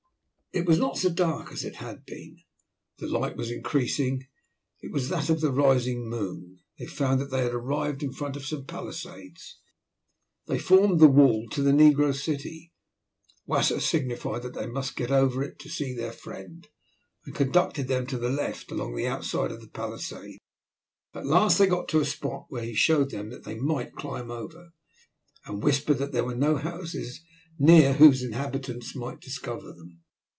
It was not so dark as it had been. The light was increasing, it was that of the rising moon. They found that they had arrived in front of some palisades. They formed the wall to the negro city. Wasser signified that they must get over it to see their friend, and conducted them to the left, along the outside of the palisade. At last they got to a spot where he showed them that they might climb over, and whispered that there were no houses near whose inhabitants might discover them.